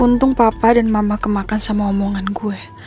untung papa dan mama kemakan sama omongan gue